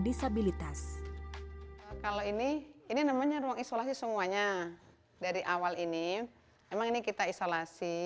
disabilitas kalau ini ini namanya ruang isolasi semuanya dari awal ini emang ini kita isolasi